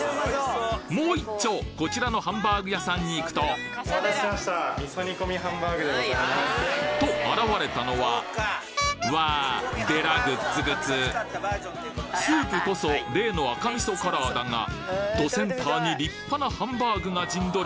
もういっちょこちらのハンバーグ屋さんに行くとと現れたのはわあでらグッツグツスープこそ例の赤味噌カラーだがどセンターに立派なハンバーグが陣取る